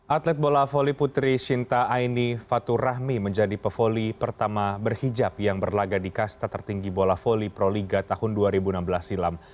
atlet bola voli putri shinta aini fatur rahmi menjadi pevoli pertama berhijab yang berlaga di kasta tertinggi bola voli proliga tahun dua ribu enam belas silam